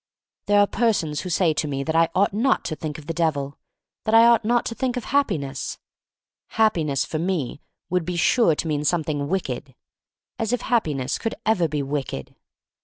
There are persons who say to me that I ought not to think of the Devil, • that I ought not to think of Happi ness — Happiness for me would be sure to mean something wicked (as if Hap piness could ever be wicked!)